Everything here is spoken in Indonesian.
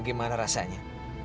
gak tau gimana rasanya